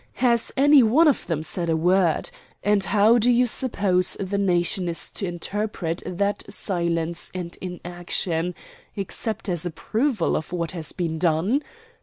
Has any one of them said a word? And how do you suppose the nation is to interpret that silence and inaction, except as approval of what has been done?